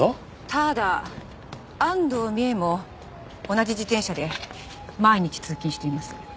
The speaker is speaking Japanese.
ただ安藤美絵も同じ自転車で毎日通勤しています。